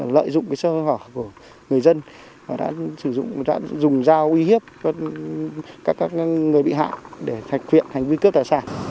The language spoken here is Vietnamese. lợi dụng sơ hỏa của người dân đã dùng dao uy hiếp các người bị hạ để thạch khuyện hành vi cướp tài sản